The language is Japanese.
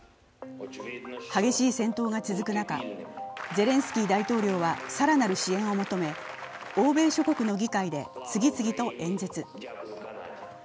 激しい戦闘が続く中、ゼレンスキー大統領はさらなる支援を求め欧米諸国の議会で次々と演説。